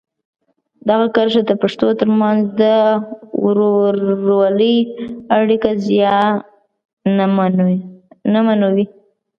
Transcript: دغه کرښه د پښتنو ترمنځ د ورورولۍ اړیکې زیانمنوي.